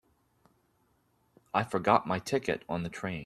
I forgot my ticket on the train.